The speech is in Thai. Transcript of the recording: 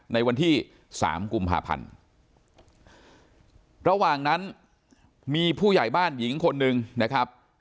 ในวันที่สามกุมภาพันธ์ระหว่างนั้นมีผู้ใหญ่บ้านหญิงคนหนึ่งนะครับ